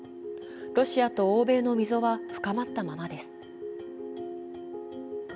ロシアと欧米の溝は深まったままです。